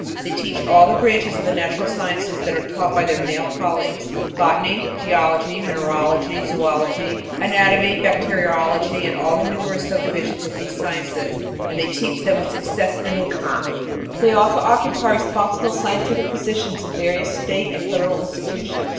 They teach all the branches of the natural sciences that are taught by their male colleagues, botany, geology, mineralogy, zoölogy, anatomy, bacteriology and all the numerous subdivisions of these sciences, and they teach them with success and éclat. They also occupy responsible scientific positions in various state and federal institutions.